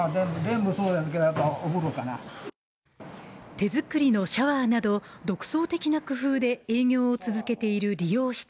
手作りのシャワーなど独創的な工夫で営業を続けている理容室。